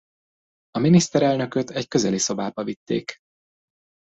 A miniszterelnököt egy közeli szobába vitték.